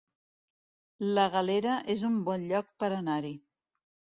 La Galera es un bon lloc per anar-hi